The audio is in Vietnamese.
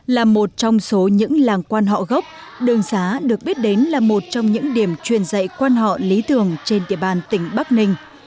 là một trong số những làng quan họ gốc đường xá được biết đến là một trong những điểm truyền dạy quan họ lý tưởng trên địa bàn tỉnh bắc ninh